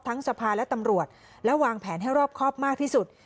สภาและตำรวจและวางแผนให้รอบครอบมากที่สุด